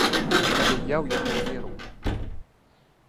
Але я ў яго веру.